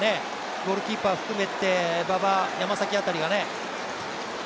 ゴールキーパー含めて、馬場、山崎辺りがね。